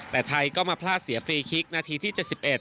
แต่ไทยก็มาพลาดเสียฟรีคลิกนาทีที่๗๑